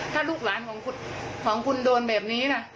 ถ้าลูกหลานของคุณโดนแบบนี้นะ